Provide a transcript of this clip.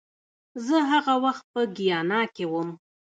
زه هغه وخت په ګیانا کې وم